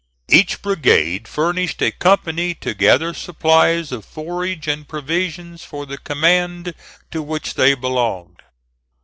Each brigade furnished a company to gather supplies of forage and provisions for the command to which they belonged.